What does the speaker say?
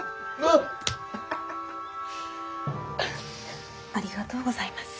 ありがとうございます。